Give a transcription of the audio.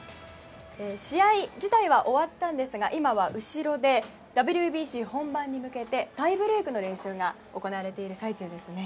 試合自体は終わったんですが今は後ろでＷＢＣ本番に向けてタイブレークの練習が行われている最中ですね。